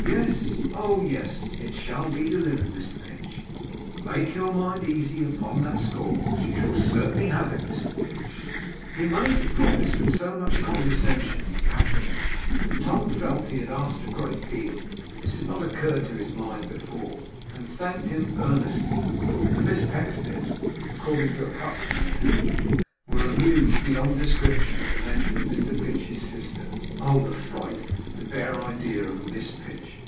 Yes, oh yes, it shall be delivered, Mr Pinch. Make your mind easy upon that score. She shall certainly have it, Mr Pinch.' He made the promise with so much condescension and patronage, that Tom felt he had asked a great deal (this had not occurred to his mind before), and thanked him earnestly. The Miss Pecksniffs, according to a custom they had, were amused beyond description at the mention of Mr Pinch's sister. Oh the fright! The bare idea of a Miss Pinch!